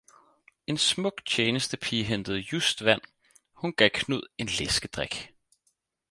- En smuk tjenestepige hentede just vand, hun gav Knud en læskedrik.